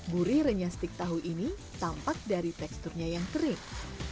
gurih renyah stik tahu ini tampak dari teksturnya yang terik